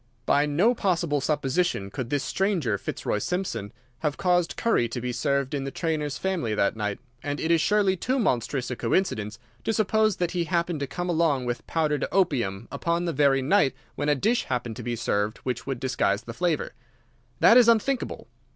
By no possible supposition could this stranger, Fitzroy Simpson, have caused curry to be served in the trainer's family that night, and it is surely too monstrous a coincidence to suppose that he happened to come along with powdered opium upon the very night when a dish happened to be served which would disguise the flavour. That is unthinkable.